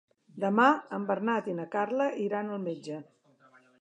Demà en Bernat i na Carla iran al metge.